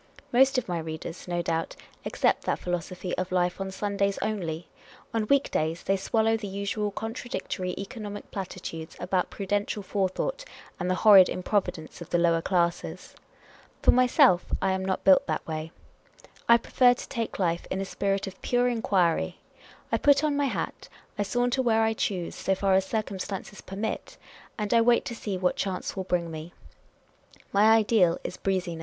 Most of my readers, no doubt, accept that philo sophy of life on Sundays only ; on week days they swallow the usual contradictory economic platitudes about prudential forethought and the horrid improvidence of the lower classes. For myself, I am not built that way. I prefer to take life in a spirit of pure enquiry. I put on my hat ; I saunter where I choose, so far as circumstances permit ; and I wait to see what chance will bring me. My ideal is breeziness.